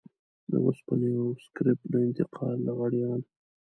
د وسپنې او سکريپ د انتقال لغړيان.